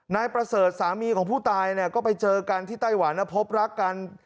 นายประเสริฐสามีของผู้ตายเนี่ยก็ไปเจอกันที่ไต้หวันพบรักกัน